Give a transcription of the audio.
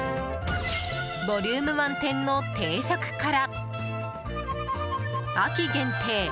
ボリューム満点の定食から秋限定！